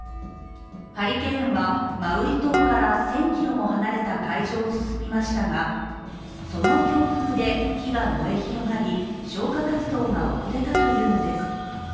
ハリケーンはマウイ島から１０００ｋｍも離れた海上を進みましたが、その強風で火が燃え広がり消火活動が遅れたというのです。